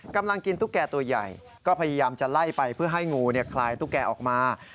กำลังกินตุ๊กแก่ตัวใหญ่ก็พยายามจะไล่ไปเพื่อให้งูคลายตุ๊กแกออกมา